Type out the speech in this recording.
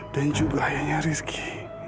dan juga ayahnya rizky